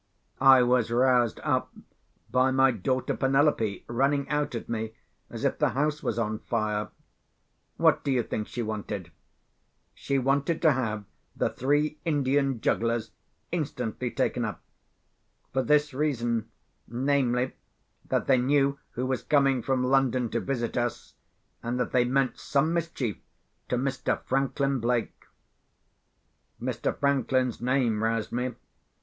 I was roused up by my daughter Penelope running out at me as if the house was on fire. What do you think she wanted? She wanted to have the three Indian jugglers instantly taken up; for this reason, namely, that they knew who was coming from London to visit us, and that they meant some mischief to Mr. Franklin Blake. Mr. Franklin's name roused me.